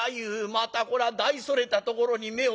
またこら大それたところに目をつけた。